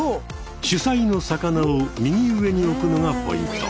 主菜の魚を右上に置くのがポイント。